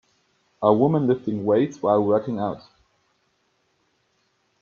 A woman lifting weights while working out.